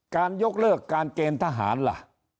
ยกเลิกการเกณฑ์ทหารล่ะ